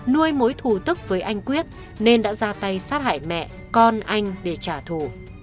nuôi mối thù tức với anh quyết nên đã ra tay sát hại mẹ con anh để trả thù